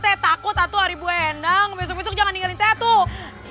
saya takut hantu hari bu endang besok besok jangan tinggalin saya tuh